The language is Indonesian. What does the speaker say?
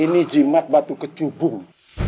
ini jimat batu kecubung